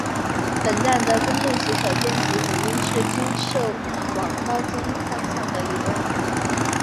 本站的公共洗手间以及母婴室均设于往高增方向的一端。